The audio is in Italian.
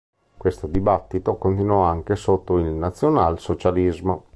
Questo dibattito continuò anche sotto il Nazionalsocialismo.